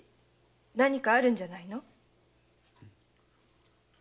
何かあるんじゃないの？